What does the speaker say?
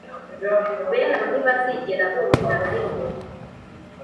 bene abo ntibazigera bumvira na rimwe.